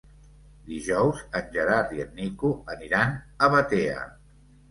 Dijous en Gerard i en Nico aniran a Batea.